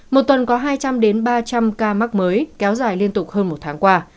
một tuần có hai trăm linh ba trăm linh ca mắc mới kéo dài liên tục hơn một tháng qua